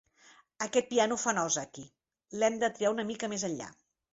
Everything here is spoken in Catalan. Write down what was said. Aquest piano fa nosa, aquí: l'hem de tirar una mica més enllà.